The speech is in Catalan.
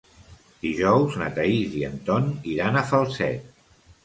Dijous na Thaís i en Ton iran a Falset.